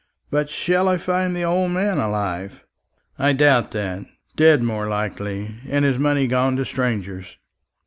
But shall I find the old man alive? I doubt that. Dead more likely, and his money gone to strangers.